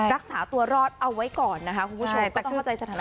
รักษาตัวรอดเอาไว้ก่อนนะคะคุณผู้ชมก็ต้องเข้าใจจัดฐานการณ์ด้วย